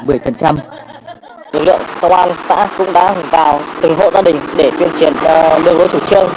đường lượng công an xã cũng đã vào từng hộ gia đình để tuyên truyền đường lối chủ trương